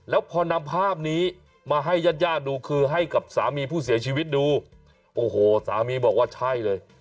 แล้วพอนำภาพนี้มาให้ญาติญาติดูคือให้กับสามีผู้เสียชีวิตดูโอ้โหสามีบอกว่าใช่เลย